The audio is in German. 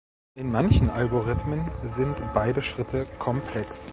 In manchen Algorithmen sind beide Schritte komplex.